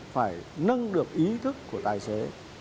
phải nâng được ý thức của tài xế